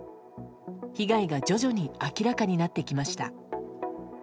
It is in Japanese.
被害が徐々に明らかになってきました。